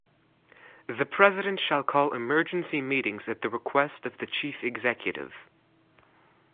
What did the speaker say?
The President shall call emergency meetings at the request of the Chief Executive.